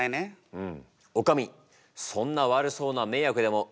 うん！